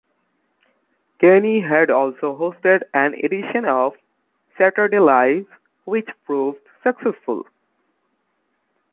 Kenny had also hosted an edition of "Saturday Live" which proved successful.